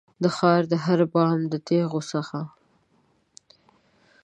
د ښار د هر بام د تېغو څخه